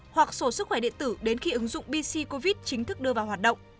hoặc số sức khỏe điện tử đến khi ứng dụng bc covid chính thức đưa vào hoạt động